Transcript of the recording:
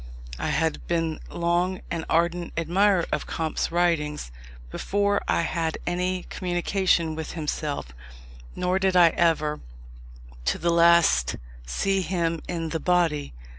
I had been long an ardent admirer of Comte's writings before I had any communication with himself; nor did I ever, to the last, see him in the body.